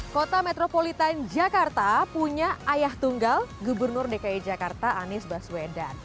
kota metropolitan jakarta punya ayah tunggal gubernur dki jakarta anies baswedan